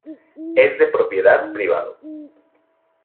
Es de propiedad privado.